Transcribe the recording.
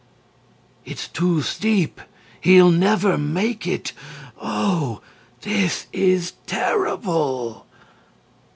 e. "It's too steep he'll never make it oh, this is terrible!"